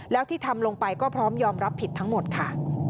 แล้วที่ทำลงไปก็พร้อมยอมรับผิดทั้งหมดค่ะ